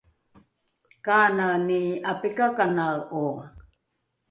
kanani ’apikakanae’o?